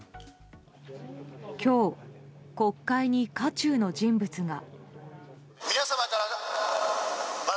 今日、国会に渦中の人物が。